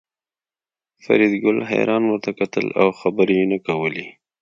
فریدګل حیران ورته کتل او خبرې یې نه کولې